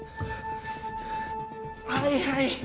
はいはい！